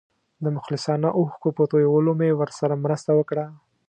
د مخلصانه اوښکو په تویولو مې ورسره مرسته وکړه.